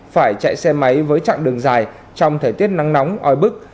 phải chạy xe máy với chặng đường dài trong thời tiết nắng nóng oi bức